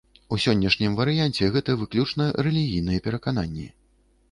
У сённяшнім варыянце гэта выключна рэлігійныя перакананні.